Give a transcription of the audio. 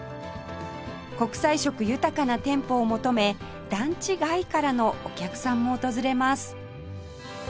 国際色豊かな店舗を求め団地外からのお客さんも訪れます